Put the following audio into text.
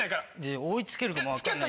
追いつけるかも分かんない。